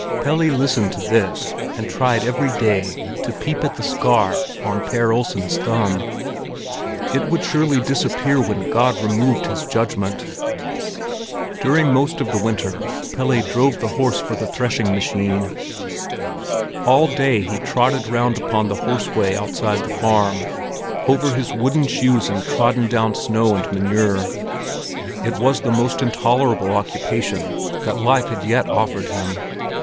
Pelle listened to this, and tried every day to peep at the scar on Per Olsen's thumb. It would surely disappear when God removed his judgment! During most of the winter Pelle drove the horse for the threshing machine. All day he trotted round upon the horse way outside the farm, over his wooden shoes in trodden down snow and manure. It was the most intolerable occupation that life had yet offered him.